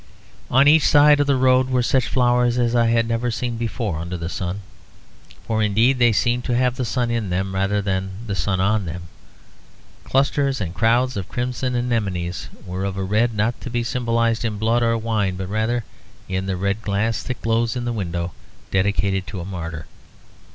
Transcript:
On each side of the road were such flowers as I had never seen before under the sun; for indeed they seemed to have the sun in them rather than the sun on them. Clusters and crowds of crimson anemones were of a red not to be symbolised in blood or wine; but rather in the red glass that glows in the window dedicated to a martyr.